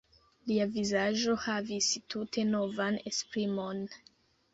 Lia vizaĝo havis tute novan esprimon.